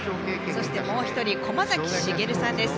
そして、もう１人駒崎茂さんです。